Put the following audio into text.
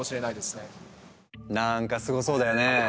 なんかすごそうだよね？